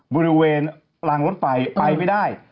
บริเวณรางรถไฟไปไม่ได้